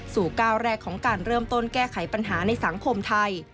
ก้าวแรกของการเริ่มต้นแก้ไขปัญหาในสังคมไทย